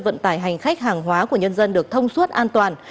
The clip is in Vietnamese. vận tải hành khách hàng hóa của nhân dân được thông suốt an toàn